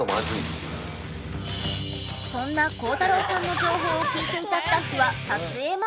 そんな孝太郎さんの情報を聞いていたスタッフは撮影前。